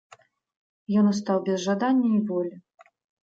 Ён устаў без жадання і волі.